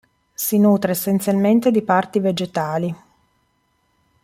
Si nutre essenzialmente di parti vegetali.